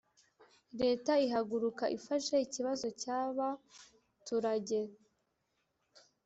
leta ihaguruka ifashe ikibazo cyaba turajye